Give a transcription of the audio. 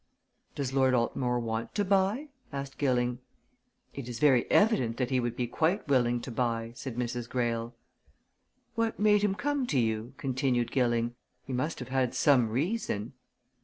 "Does Lord Altmore want to buy?" asked Gilling. "It is very evident that he would be quite willing to buy," said Mrs. Greyle. "What made him come to you," continued Gilling. "He must have had some reason?"